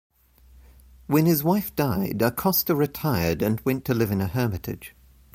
When his wife died, Acosta retired and went to live in a hermitage.